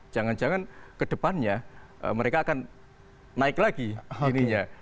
jangan jangan ke depannya mereka akan naik lagi ininya